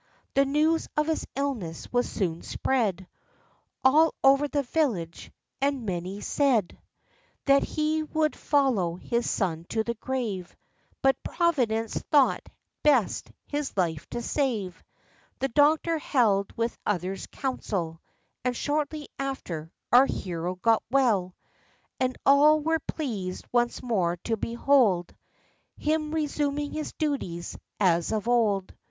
The news of his illness was soon spread All over the village, and many said, I 68 THE life and adventures That he would follow his son to the grave; But Providence thought best his life to save. The doctor held with others council, And, shortly after, our hero got well; And all were pleased once more to behold Him resuming his duties, as of old.